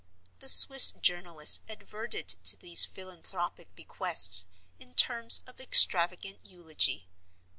The Swiss journalist adverted to these philanthropic bequests in terms of extravagant eulogy.